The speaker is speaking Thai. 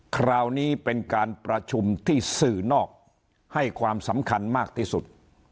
คราวนี้เป็นการประชุมที่สื่อนอกให้ความสำคัญมากที่สุด